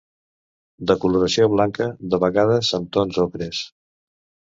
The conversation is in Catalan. De coloració blanca, de vegades amb tons ocres.